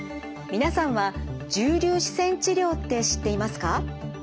皆さんは重粒子線治療って知っていますか？